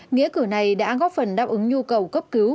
nghĩa cử này đã góp phần đáp ứng nhu cầu cấp cứu